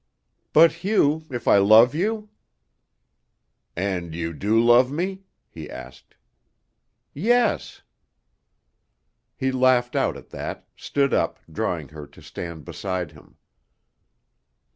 "But, Hugh if I love you?" "And you do love me?" he asked. "Yes." He laughed out at that, stood up, drawing her to stand beside him.